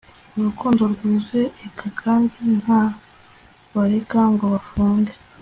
urukundo rwuzuye; eka kandi ntabareke ngo bafunge